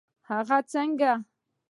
هغه څنګه؟